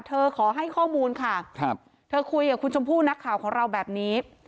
ขอให้ข้อมูลค่ะครับเธอคุยกับคุณชมพู่นักข่าวของเราแบบนี้